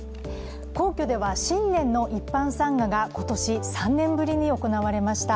皇居では新年の一般参賀が、今年３年ぶりに行われました。